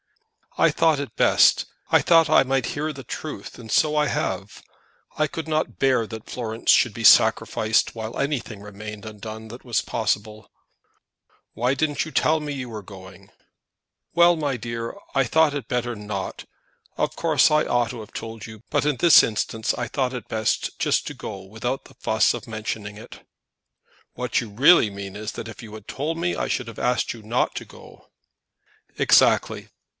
"I thought it best. I thought that I might hear the truth, and so I have. I could not bear that Florence should be sacrificed whilst anything remained undone that was possible." "Why didn't you tell me that you were going?" "Well, my dear; I thought it better not. Of course I ought to have told you, but in this instance I thought it best just to go without the fuss of mentioning it." "What you really mean is, that if you had told me I should have asked you not to go." "Exactly."